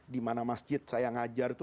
di mana masjid saya mengajar itu